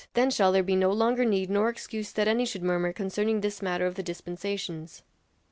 Then shall there be no longer need nor excuse that any should murmur concerning this matter of the dispensations."